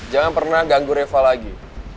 jangan pernah ganggu reva lagi